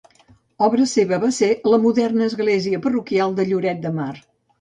Obra seva va ser la moderna església Parroquial de Lloret de Mar.